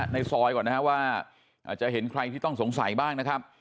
ในซอยก่อนนะครับว่าอาจจะเห็นใครที่ต้องสงสัยบ้างนะครับ